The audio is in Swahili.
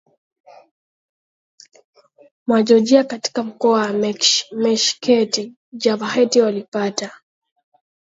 mwa Georgia katika mkoa wa Meskhet Javakheti walipata